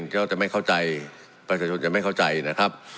ก็จะไม่เข้าใจประชาชนจะไม่เข้าใจนะครับ